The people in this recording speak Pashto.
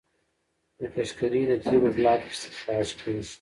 د قشقري د تیلو بلاک استخراج کیږي.